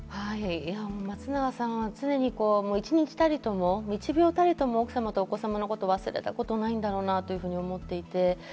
松永さんは常に一日たりとも奥様とお子様のことを忘れたことはないんだろうなと思っています。